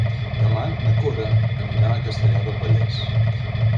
Demà na Cora anirà a Castellar del Vallès.